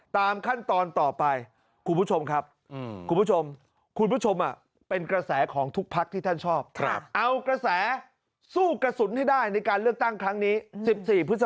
ตามขั้นตอนต่อไปคุณผู้ชมครับ